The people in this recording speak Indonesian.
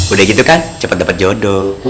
udah gitu kan cepet dapet jodoh